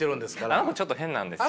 あの子ちょっと変なんですよ。